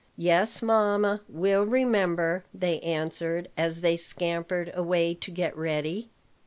"Yes, mamma; we'll remember," they answered, as they scampered away to get ready.